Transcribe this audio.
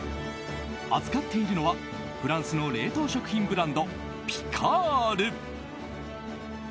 扱っているのはフランスの冷凍食品ブランドピカール。